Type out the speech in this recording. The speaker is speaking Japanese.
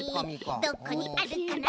どこにあるかな？